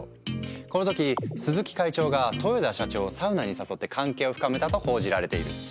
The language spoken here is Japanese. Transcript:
この時鈴木会長が豊田社長をサウナに誘って関係を深めたと報じられている。